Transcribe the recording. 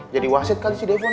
jadi wasit kali si depon